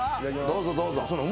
どうぞどうぞ。